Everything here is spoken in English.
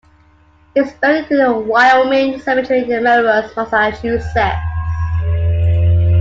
He is buried in the Wyoming Cemetery in Melrose, Massachusetts.